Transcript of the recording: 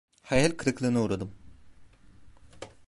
Hayal kırıklığına uğradım.